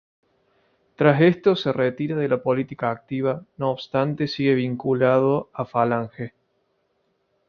Tras esto se retira de la política activa, no obstante sigue vinculado a Falange.